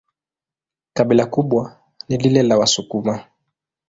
Kabila kubwa ni lile la Wasukuma.